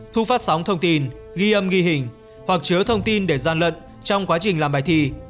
thu phát sóng thông tin ghi âm ghi hình hoặc chứa thông tin để gian lận trong quá trình làm bài thi